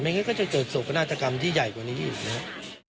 ไม่งั้นก็จะเกิดส่วนอาจารย์กรรมที่ใหญ่กว่านี้อีกนะครับ